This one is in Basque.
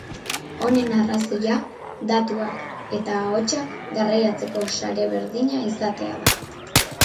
Honen arrazoia datua keta ahotsa garraiatzeko sare berdina izatea da.